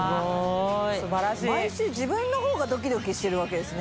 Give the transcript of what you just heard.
毎週自分のほうがドキドキしてるわけですね。